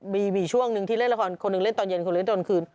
มีช่วงหนึ่งที่เล่นละครคนหนึ่งเล่นตอนเย็นคนหนึ่งเล่นตอนคืน